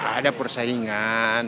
enggak ada persaingan